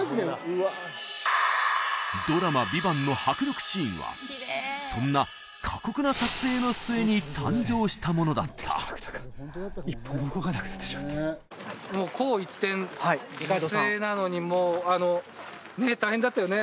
うわドラマ「ＶＩＶＡＮＴ」の迫力シーンはそんな過酷な撮影の末に誕生したものだったもう紅一点女性なのにねっ大変だったよね